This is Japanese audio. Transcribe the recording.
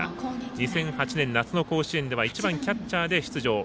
２００８年夏の甲子園では１番キャッチャーで出場。